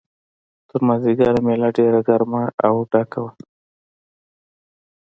تر مازیګره مېله ډېره ګرمه او ډکه وه.